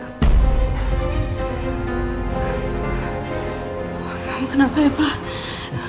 kamu kenapa ya pak